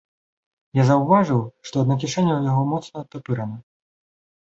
Я заўважыў, што адна кішэня ў яго моцна адтапырана.